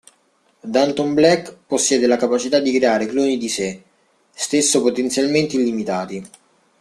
Danton Black possiede la capacità di creare cloni di sè stesso potenzialmente illimitati.